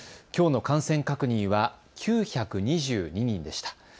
きょうの感染確認は９２２人でした。